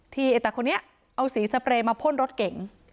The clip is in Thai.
ไอ้ตาคนนี้เอาสีสเปรย์มาพ่นรถเก๋ง